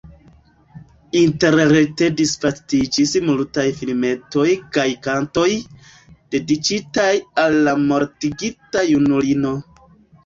Interrete disvastiĝis multaj filmetoj kaj kantoj, dediĉitaj al la mortigita junulino.